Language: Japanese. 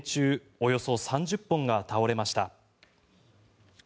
およそ３０本が倒れました。